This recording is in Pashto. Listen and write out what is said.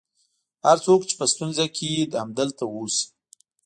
هر څوک چې په ستونزه کې یې همدلته اوسي.